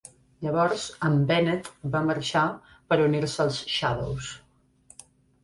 Llavors en Bennett va marxar per unir-se als "Shadows".